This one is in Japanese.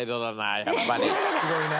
すごいな。